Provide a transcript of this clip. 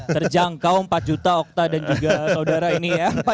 terjangkau empat juta okta dan juga saudara ini ya